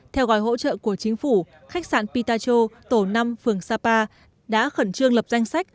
theo gói hỗ trợ của chính phủ khách sạn pitacho tổ năm phường sapa đã khẩn trương lập danh sách